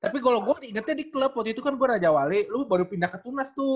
tapi kalau gue ingetnya di klub waktu itu kan gue raja wali lo baru pindah ke tunas tuh